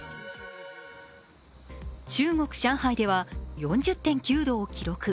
中国・上海では４０．９度を記録。